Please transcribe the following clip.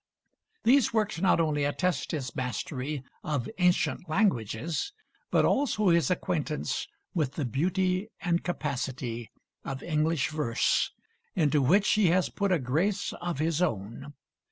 These works not only attest his mastery of ancient languages, but also his acquaintance with the beauty and capacity of English verse, into which he has put a grace of his own.